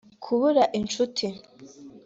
kubura inshuti